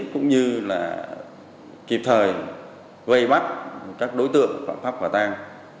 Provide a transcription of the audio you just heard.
cũng như là kịp thời vây mắt các đối tượng phạm pháp khỏa tang